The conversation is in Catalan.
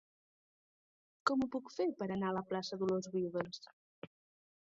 Com ho puc fer per anar a la plaça de Dolors Vives?